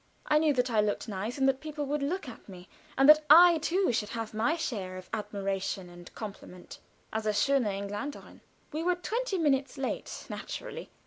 I knew that I looked nice, and that people would look at me, and that I, too, should have my share of admiration and compliments as a schöne Engländerin. We were twenty minutes late naturally.